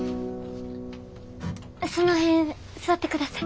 その辺座ってください。